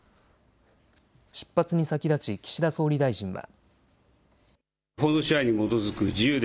出発に先立ち岸田総理大臣は。